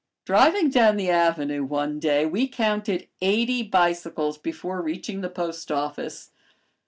Driving down the avenue one day, we counted eighty bicycles before reaching the post office.